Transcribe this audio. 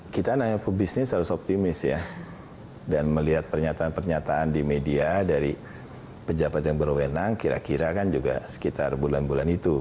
kita nanya pebisnis harus optimis ya dan melihat pernyataan pernyataan di media dari pejabat yang berwenang kira kira kan juga sekitar bulan bulan itu